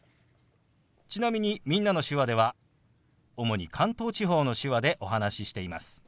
ちなみに「みんなの手話」では主に関東地方の手話でお話ししています。